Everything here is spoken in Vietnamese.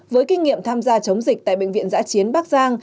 với kinh nghiệm tham gia chống dịch tại bệnh viện giã chiến bắc giang